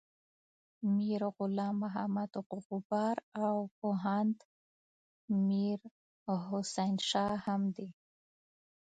میر غلام محمد غبار او پوهاند میر حسین شاه هم دي.